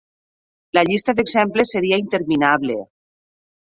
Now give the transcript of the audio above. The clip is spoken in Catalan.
La llista d'exemples seria interminable...